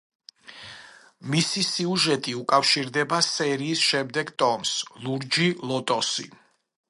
მისი სიუჟეტი უკავშირდება სერიის შემდეგ ტომს, „ლურჯი ლოტოსი“.